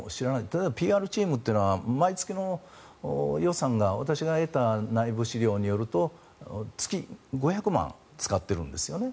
例えばＰＲチームは毎月の予算が私が得た内部資料によると月５００万円使っているんですよね。